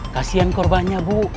kasian korbannya bu